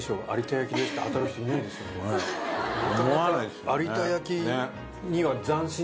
思わないですよね。